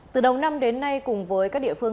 từ đầu năm đến nay cùng với các địa phương